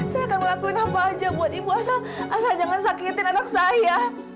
saya akan ngelakuin apa aja buat ibu asal asal jangan sakitin anak saya